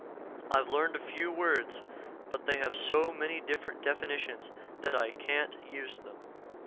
I've learned a few words but they have so many different definitions that I can't use them."